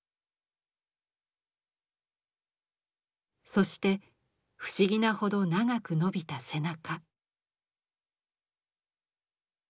そして不思議なほど長く伸びた背中。